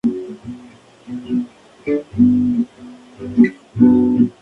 El plan original era realizar el ataque varios meses antes.